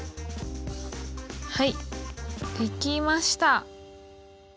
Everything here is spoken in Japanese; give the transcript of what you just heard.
はいできました。